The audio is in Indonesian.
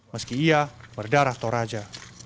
meski ia berdarah toraja